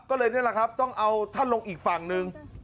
ก็เลยนี่แหละครับต้องเอาท่านลงอีกฝั่งหนึ่ง